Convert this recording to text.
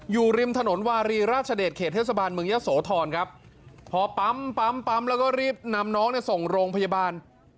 อยู่ริมถนนวารีราชเดชเขตเทศบาลเมืองยะโสธรครับพอปั๊มปั๊มปั๊มแล้วก็รีบนำน้องเนี่ยส่งโรงพยาบาล